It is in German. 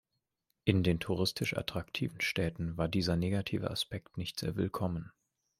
In den touristisch attraktiven Städten war dieser negative Aspekt nicht sehr willkommen.